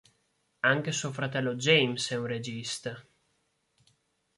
Anche suo fratello James è un regista.